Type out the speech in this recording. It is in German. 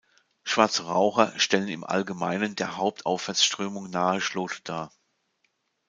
Schwarze Raucher stellen im Allgemeinen der Haupt-Aufwärtsströmung nahe Schlote dar.